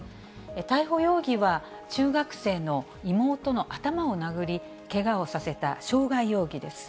逮捕容疑は、中学生の妹の頭を殴り、けがをさせた傷害容疑です。